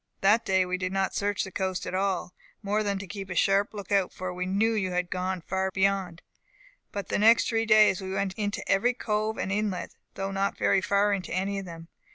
That day we did not search the coast at all, more than to keep a sharp look out, for we knew that you had gone far beyond. But the next three days we went into every cove and inlet, though not very far into any of them.